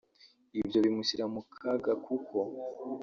ibyo bimushyira mu kaga kuko